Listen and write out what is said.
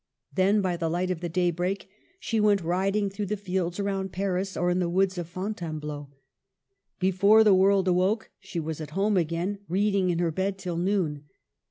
Then, by the light of the daybreak, she went riding through the fields round Paris, or in the woods at Fontainebleau. Before the world awoke she was at home again, reading in her bed till noon.